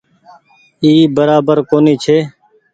اي برابر ڪونيٚ ڇي۔